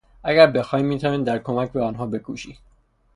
اگر بخواهی میتوانی در کمک به آنها بکوشی.